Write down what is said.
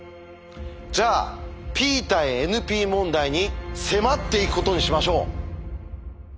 じゃあＰ対ＮＰ問題に迫っていくことにしましょう。